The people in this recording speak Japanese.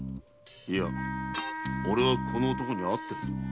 いや俺はこの男に会っている。